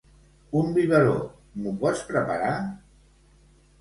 Un biberó, m'ho pots preparar?